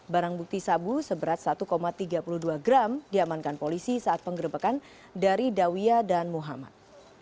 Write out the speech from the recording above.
barang bukti sabu seberat satu tiga puluh dua gram diamankan polisi saat penggerbekan dari dawiya dan muhammad